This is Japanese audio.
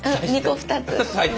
２個２つ。